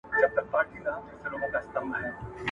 چی له ظلمه دي خلاص کړی یمه خوره یې ,